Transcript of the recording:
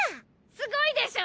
すごいでしょ！